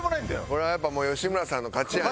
これはやっぱもう吉村さんの勝ちやな。